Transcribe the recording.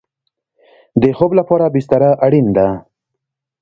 د خوب لپاره بستره اړین ده